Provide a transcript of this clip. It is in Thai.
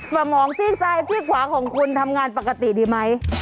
สมองซีกซ้ายซีกขวาของคุณทำงานปกติดีไหม